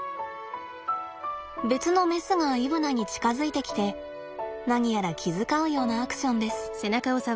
別のメスがイブナに近づいてきて何やら気遣うようなアクションです。